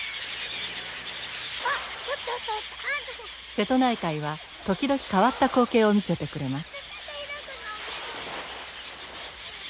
瀬戸内海は時々変わった光景を見せてくれます。